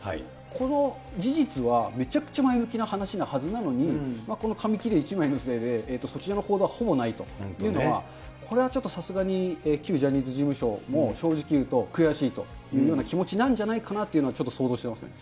この事実はめちゃくちゃ前向きな話なはずなのに、この紙きれ１枚のせいで、そちらの報道はほぼないというのは、これはちょっとさすがに、旧ジャニーズ事務所も正直いうと、悔しいというような気持ちなんじゃないかなというのは、ちょっと想像してますね。